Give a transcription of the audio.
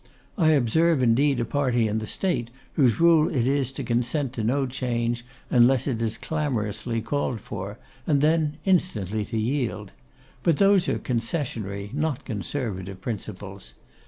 I observe indeed a party in the State whose rule it is to consent to no change, until it is clamorously called for, and then instantly to yield; but those are Concessionary, not Conservative principles.